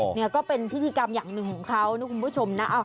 เนี่ยก็เป็นพิธีกรรมอย่างหนึ่งของเขานะคุณผู้ชมนะ